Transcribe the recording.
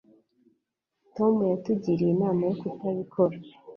tom yatugiriye inama yo kutabikora